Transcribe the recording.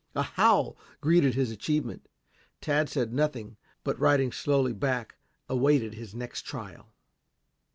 A howl greeted his achievement. Tad said nothing, but riding slowly back, awaited his next trial.